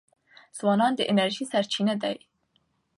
ځوانان د انرژۍ سرچینه دي.